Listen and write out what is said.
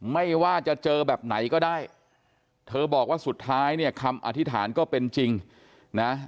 ไม่ว่าจะเจอแบบไหนก็ได้เธอบอกว่าสุดท้ายเนี่ยคำอธิษฐานก็เป็นจริงนะ